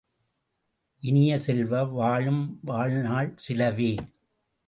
இனிய செல்வ, வாழும் வாழ்நாள் சிலவே!